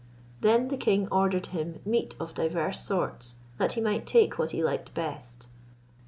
Then the king ordered him meat of divers sorts, that he might take what he liked best.